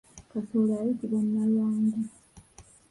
Kasooli ayitibwa nalwangu.